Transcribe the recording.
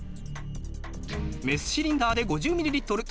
メスシリンダーで５０ミリリットル。